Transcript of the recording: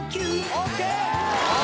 ＯＫ